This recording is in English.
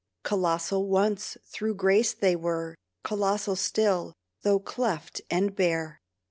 Colossal once through grace they were; Colossal still, though cleft and bare.